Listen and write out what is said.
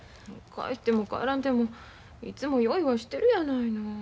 帰っても帰らんでもいつも用意はしてるやないの。